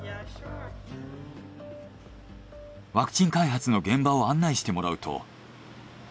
ワクチン開発の現場を案内してもらうと。